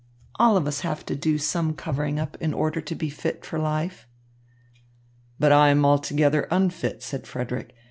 All of us have to do some covering up in order to be fit for life." "But I am altogether unfit," said Frederick.